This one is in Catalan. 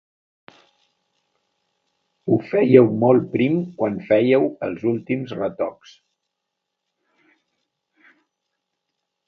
Ho fèieu molt prim quan fèieu els últims retocs.